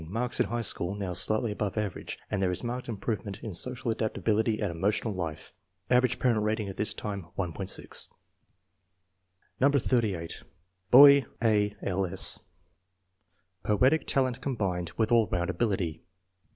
Marks in high school now slightly above average, and there is marked improvement in social adaptability and emotional life. Average parent rating at this time, 1.60. No. 38. Boy: A. L. 8. Poetic talent combined with all round ability.